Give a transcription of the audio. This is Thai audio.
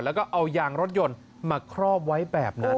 แล้วก็เอายางรถยนต์มาครอบไว้แบบนั้น